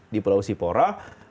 di pulau sipora